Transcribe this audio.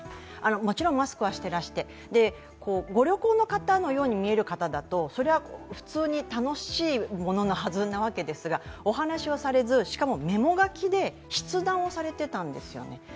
もちろんマスクはしていらしてご旅行のように見える方だと普通に楽しいもののはずですがお話をされず、しかもメモ書きで筆談をされてたんですよね。